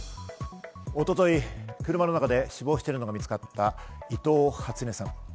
一昨日、車の中で死亡しているのが見つかった伊藤初音さん。